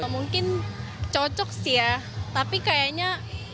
mungkin cocok sih ya tapi kayaknya